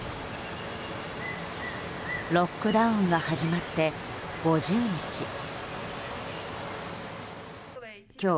ロックダウンが始まって５０日。